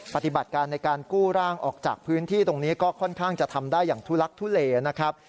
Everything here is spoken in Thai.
ปฏิบัติการในการกู้ร่างออกจากพื้นที่ตรงนี้ก็ค่อนข้างจะทำได้อย่างทุลักทุเลนะครับ